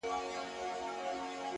بابولاله’